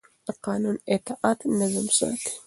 د قانون اطاعت نظم ساتي